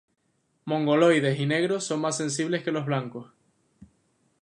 Mongoloides y negros son más sensibles que los blancos.